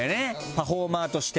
パフォーマーとして。